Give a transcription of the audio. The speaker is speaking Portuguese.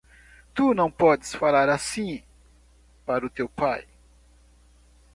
Tu não podes falar assim para o teu pai!